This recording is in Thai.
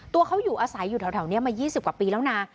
ตัวเขาอยู่อาศัยอยู่แถวนี้มา๒๐กว่าปีแล้วนะ